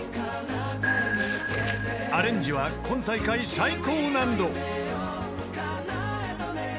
［アレンジは今大会最高難度］